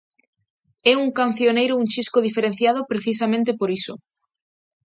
É un cancioneiro un chisco diferenciado precisamente por iso.